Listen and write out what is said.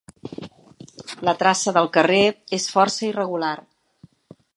La traça del carrer és força irregular.